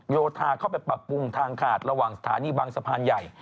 โยธาเข้าไปปรับปรุงทางขาดระหว่างสถานีบางสะพานใหญ่